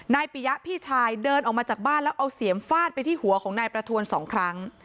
ปิยะพี่ชายเดินออกมาจากบ้านแล้วเอาเสียมฟาดไปที่หัวของนายประทวนสองครั้ง